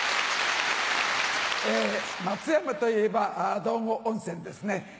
松山といえば道後温泉ですね。